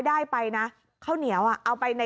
ได้ไปนะข้าวเหนียวเอาไปใน